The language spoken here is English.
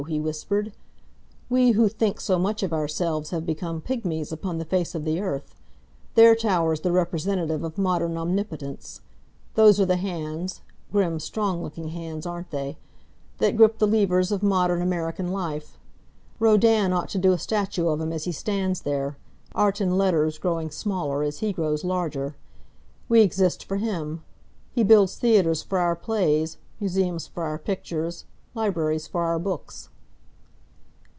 he whispered. "We who think so much of ourselves have become pigmies upon the face of the earth. There towers the representative of modern omnipotence. Those are the hands grim, strong looking hands, aren't they? that grip the levers of modern American life. Rodin ought to do a statue of him as he stands there art and letters growing smaller as he grows larger. We exist for him. He builds theatres for our plays, museums for our pictures, libraries for our books."